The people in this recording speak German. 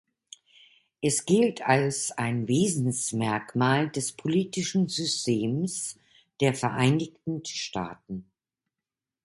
Es gilt als ein Wesensmerkmal des politischen Systems der Vereinigten Staaten.